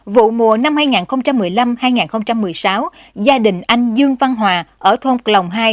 vụ mùa năm hai nghìn một mươi năm hai nghìn một mươi sáu gia đình anh dương văn hòa ở thôn p lòng hai